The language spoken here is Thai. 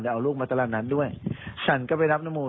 เอาลูกมาตลาดนั้นด้วยฉันก็ไปรับน้ำมูล